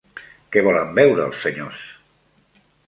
Què volen beure els senyors?